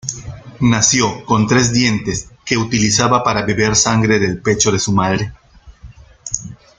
Nació con tres dientes que utilizaba para beber sangre del pecho de su madre.